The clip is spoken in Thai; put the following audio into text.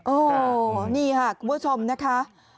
โอ้นี่ค่ะคุณผู้ชมนะคะ